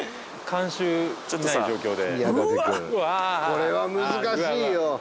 これは難しいよ